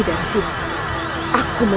dalam dosa itu